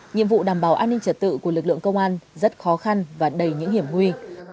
nhiệm vụ đảm bảo an ninh trật tự của lực lượng công an rất khó khăn và đầy những hiểm nguy